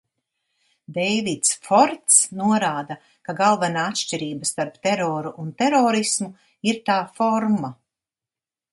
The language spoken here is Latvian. Deivids Forts norāda, ka galvenā atšķirība starp teroru un terorismu ir tā forma.